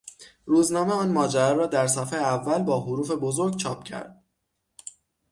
روزنامه آن ماجرا را در صفحهی اول با حروف بزرگ چاپ کرد.